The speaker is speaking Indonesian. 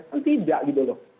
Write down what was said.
kan tidak gitu loh